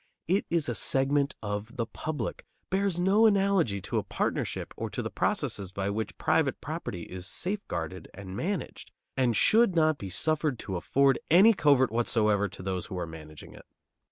It is a segment of the public; bears no analogy to a partnership or to the processes by which private property is safeguarded and managed, and should not be suffered to afford any covert whatever to those who are managing it.